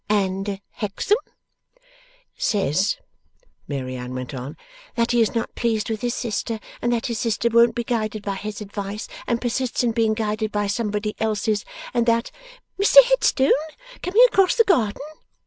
And Hexam ' 'Says,' Mary Anne went on, 'that he is not pleased with his sister, and that his sister won't be guided by his advice, and persists in being guided by somebody else's; and that ' 'Mr Headstone coming across the garden!